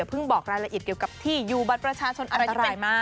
อย่าเพิ่งบอกรายละอิดเกี่ยวกับที่อยู่บัตรประชาชนอันตรายมาก